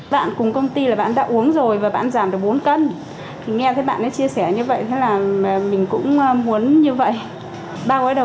bạn cùng công ty là bạn đã uống rồi và bạn giảm được bốn cân